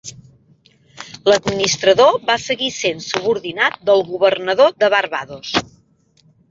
L'administrador va seguir sent subordinat del Governador de Barbados.